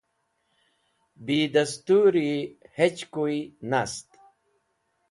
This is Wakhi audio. Bi destũri hechkuy nast.